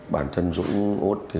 bản thân dũng út thì là